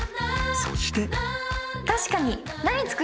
［そして］